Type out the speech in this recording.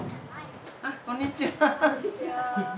あっこんにちは。